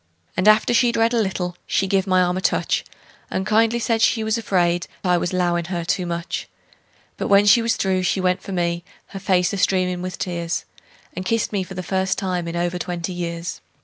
And after she'd read a little she give my arm a touch, And kindly said she was afraid I was 'lowin' her too much; But when she was through she went for me, her face a streamin' with tears, And kissed me for the first time in over twenty years!